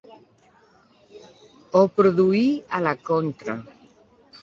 Ho produí a la contra.